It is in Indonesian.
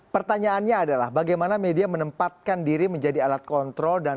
pertanyaannya adalah bagaimana media menempatkan diri menjadi alat pemerintah yang berpengaruh di dunia